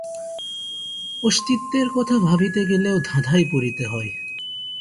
অস্তিত্বের কথা ভাবিতে গেলেও ধাঁধায় পড়িতে হয়।